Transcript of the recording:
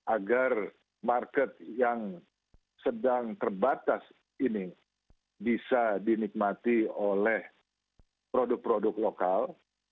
agar market yang sedang terbatas ini bisa dinikmati oleh produk produk lokal